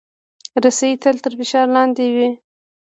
رسۍ تل تر فشار لاندې وي.